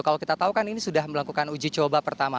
kalau kita tahu kan ini sudah melakukan uji coba pertama